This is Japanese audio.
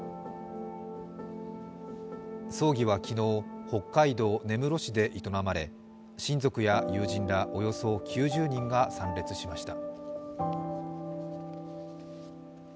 葬儀は昨日、北海道根室市で営まれ親族や友人らおよそ９０人が参列しました。